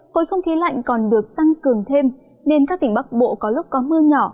khối không khí lạnh còn được tăng cường thêm nên các tỉnh bắc bộ có lúc có mưa nhỏ